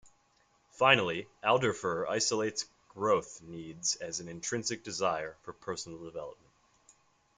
Finally, Alderfer isolates growth needs as an intrinsic desire for personal development.